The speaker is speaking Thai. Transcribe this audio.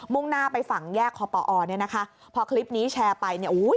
่งหน้าไปฝั่งแยกคอปอเนี่ยนะคะพอคลิปนี้แชร์ไปเนี่ยอุ้ย